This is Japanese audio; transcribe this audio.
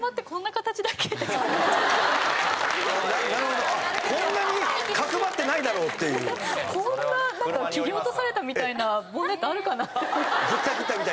こんな切り落とされたみたいなボンネットあるかな？って。